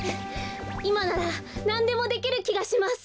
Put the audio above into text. いまならなんでもできるきがします。